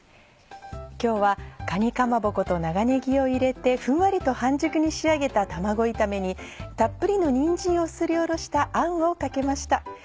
今日はかにかまぼこと長ねぎを入れてふんわりと半熟に仕上げた卵炒めにたっぷりのにんじんをすりおろしたあんをかけました。